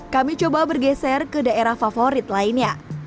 kami coba bergeser ke daerah favorit lainnya